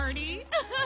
アハハ！